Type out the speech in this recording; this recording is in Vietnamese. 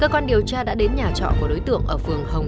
cái căn nhà của đối tượng đã vào đó